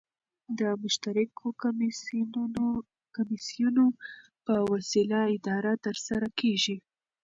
د مشترکو کمېسیونو په وسیله اداره ترسره کيږي.